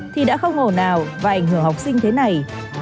thì đã không hồ nào và ảnh hưởng học sinh thế này